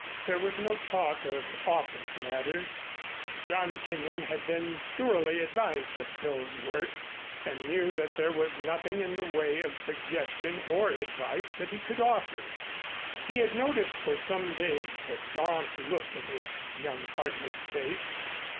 There was no talk of office matters. John Kenyon had been thoroughly advised of Phil's work and knew that there was nothing in the way of suggestion or advice that he could offer. He had noticed for some days the gaunt look in his young partner's face.